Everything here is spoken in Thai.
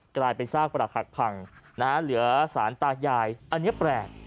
กลายเป็นซากปรักหักพังเหลือสารตายายอันนี้แปลก